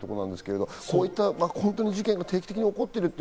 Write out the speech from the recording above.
こういった事件が定期的に起こっている。